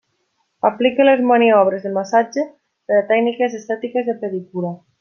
Aplica les maniobres de massatge per a tècniques estètiques de pedicura.